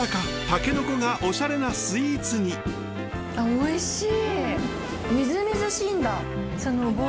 おいしい！